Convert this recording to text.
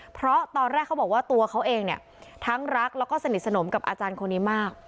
เพราะตอนแรกเขาบอกว่าตัวเขาเองเนี่ยทั้งรักแล้วก็สนิทสนมกับอาจารย์คนนี้มาก